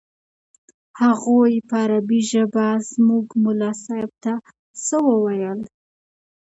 هغوى په عربي ژبه زموږ ملا صاحب ته څه وويل.